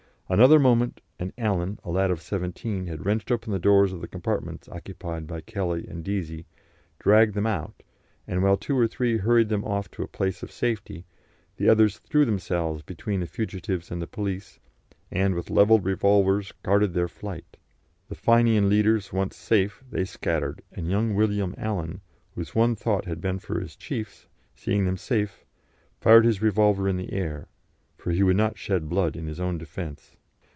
Another moment, and Allen, a lad of seventeen, had wrenched open the doors of the compartments occupied by Kelly and Deasy, dragged them out, and while two or three hurried them off to a place of safety, the others threw themselves between the fugitives and the police, and with levelled revolvers guarded their flight. The Fenian leaders once safe, they scattered, and young William Allen, whose one thought had been for his chiefs, seeing them safe, fired his revolver in the air, for he would not shed blood in his own defence.